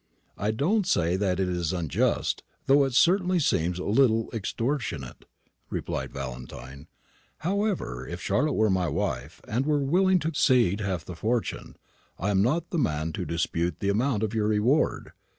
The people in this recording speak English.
"I don't say that it is unjust, though it certainly seems a little extortionate," replied Valentine. "However, if Charlotte were my wife, and were willing to cede half the fortune, I'm not the man to dispute the amount of your reward.